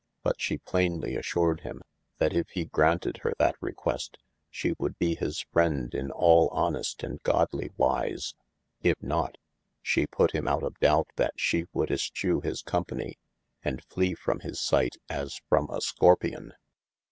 But she plainlye assured him, that if he graunted hir that request, she would be his friend in al honest & godly wise : if not, she put him out of doubt that she would eschew his company and flee from his sight as from a scorpion.